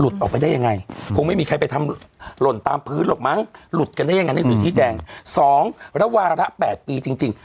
สองประเทศวรรตะ๘ปีจริง